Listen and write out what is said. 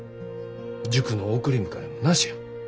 塾の送り迎えもなしや。